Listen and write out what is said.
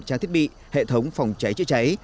trang thiết bị hệ thống phòng cháy chữa cháy